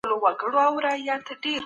موږ به خپل تولیدات نور هم زیات کړو.